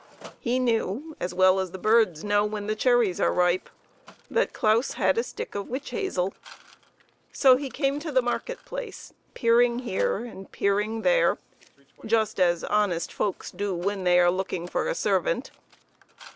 He knew, as well as the birds know when the cherries are ripe, that Claus had a stick of witch hazel, so he came to the market i6 PEPPER AND SALT. place, peering here and peering there, just as honest folks do when they are looking for a servant.